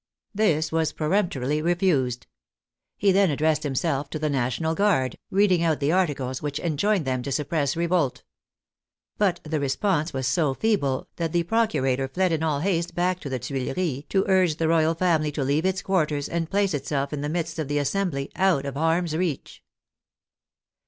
This was peremptorily refused. He then addressed himself to the National Guard, reading out the articles which enjoined them to suppress revolt. But the response was so feeble that the procurator fled in all haste back to the Tuileries to urge the royal family to leave its quarters and place itself in the midst of the Assembly, out of harm's reach.